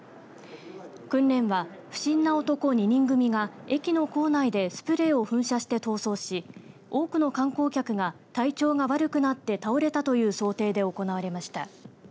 訓練は不審な男２人組が駅の構内でスプレーを噴射して逃走し多くの観光客が体調が悪くなって倒れたという想定で行われました。